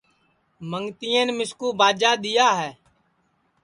منگتِئین مِسکُو باجا دِؔیا ہے